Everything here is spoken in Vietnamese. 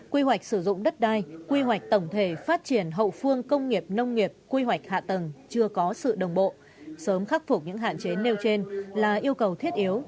quy hoạch sử dụng đất đai quy hoạch tổng thể phát triển hậu phương công nghiệp nông nghiệp quy hoạch hạ tầng chưa có sự đồng bộ sớm khắc phục những hạn chế nêu trên là yêu cầu thiết yếu